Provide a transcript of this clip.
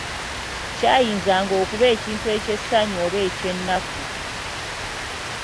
Kyayinzanga okubeera ekintu eky'essanyu oba eky'ennaku.